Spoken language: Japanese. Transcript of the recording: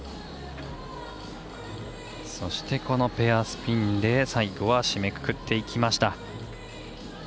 そして、このペアスピンで最後は締めくくっていきました。